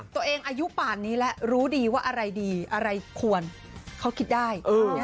อายุป่านนี้แล้วรู้ดีว่าอะไรดีอะไรควรเขาคิดได้